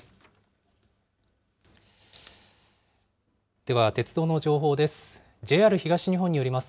では鉄道の情報です。